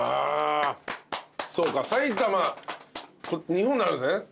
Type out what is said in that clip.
そうかさいたま日本であるんですね。